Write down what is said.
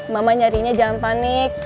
mama nyarinya jangan panik